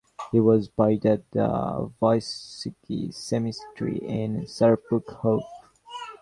He was buried at the Vysotsky Cemetery in Serpukhov.